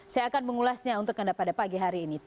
saya akan mengulasnya untuk anda pada pagi hari ini